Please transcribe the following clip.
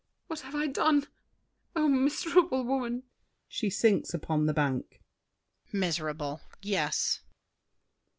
What have I done? Oh, miserable woman! [She sinks upon the bank. DIDIER. Miserable! Yes!